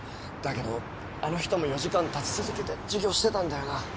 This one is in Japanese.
だけどあの人も４時間立ち続けて授業してたんだよな。